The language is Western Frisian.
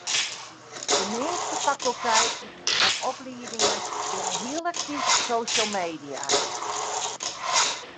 De measte fakulteiten en opliedingen binne hiel aktyf op social media.